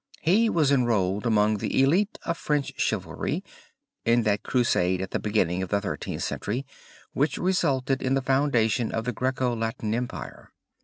He was enrolled among the elite of French Chivalry, in that Crusade at the beginning of the Thirteenth Century, which resulted in the foundation of the Greco Latin Empire.